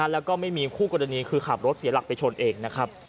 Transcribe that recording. แล้วก็ไม่มีคู่กรณีคือขับรถเสียหลักไปชนเองนะครับ